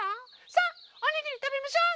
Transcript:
さあおにぎりたべましょう！